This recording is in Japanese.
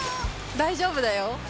大丈夫だよ。